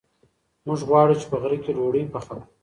موږ غواړو چې په غره کې ډوډۍ پخه کړو.